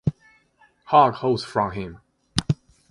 Hugh holds from him.